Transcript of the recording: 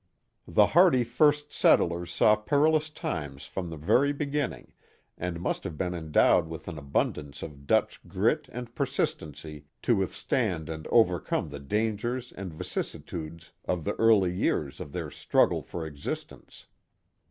The hardy first settlers saw perilous times from the very beginning, and must have been endowed with an abundance of Dutch grit and persistency to withstand and overcome the dangers and vicissitudes of the early years of their struggle for existence.